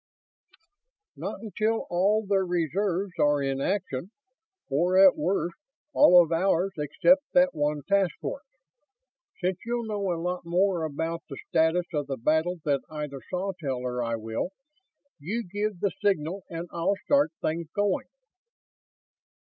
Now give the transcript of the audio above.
"Not until all their reserves are in action. Or, at worst, all of ours except that one task force. Since you'll know a lot more about the status of the battle than either Sawtelle or I will, you give the signal and I'll start things going."